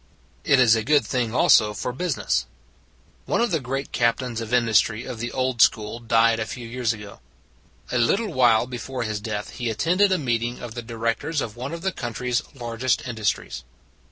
It is a good thing also for business. One of the great captains of industry of the old school died a few years ago. A little while before his death he attended a meeting of the directors of one of the coun try s largest industries.